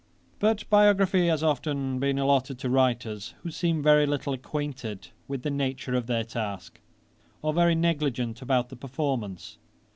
'But biography has often been allotted to writers, who seem very little acquainted with the nature of their task, or very negligent about the performance.